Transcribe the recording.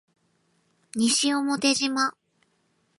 西表島